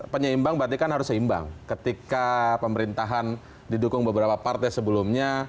penyeimbang berarti kan harus seimbang ketika pemerintahan didukung beberapa partai sebelumnya